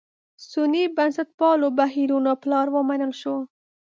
سني بنسټپالو بهیرونو پلار ومنل شو.